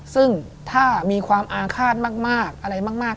ซึ่งถ้ามีความอาฆาตมากอะไรมาก